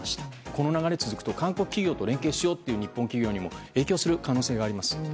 この流れが続くと韓国企業と連携しようとする日本企業にも影響する可能性があります。